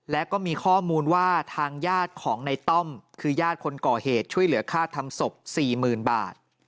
และก็มีข้อมูลว่าทางญาติของในต้อมคือญาติคนก่อเหตุช่วยเหลือค่าทำศพ๔๐๐๐บาท